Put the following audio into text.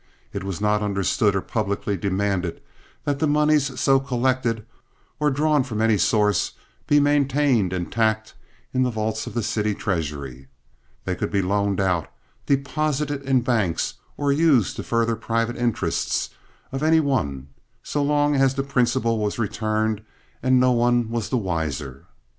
It was not understood or publicly demanded that the moneys so collected, or drawn from any source, be maintained intact in the vaults of the city treasury. They could be loaned out, deposited in banks or used to further private interests of any one, so long as the principal was returned, and no one was the wiser.